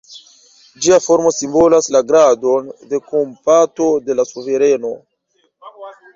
Ĝia formo simbolas la gradon de kompato de la suvereno.